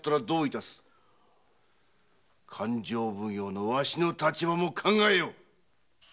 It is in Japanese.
勘定奉行のわしの立場も考えよ！